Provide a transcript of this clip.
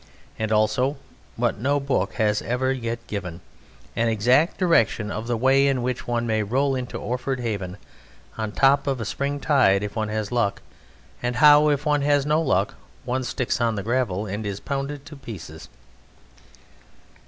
And also what no book has ever yet given, an exact direction of the way in which one may roll into Orford Haven, on the top of a spring tide if one has luck, and how if one has no luck one sticks on the gravel and is pounded to pieces.